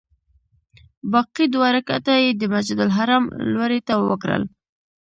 باقي دوه رکعته یې د مسجدالحرام لوري ته وکړل.